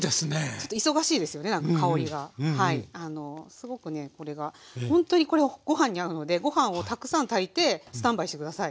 すごくねこれがほんとにこれご飯に合うのでご飯をたくさん炊いてスタンバイして下さい。